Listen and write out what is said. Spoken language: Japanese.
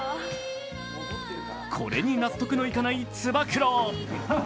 これに納得のいかないつば九郎。